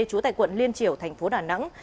trú tại quận liên triều thành phố đà nẵng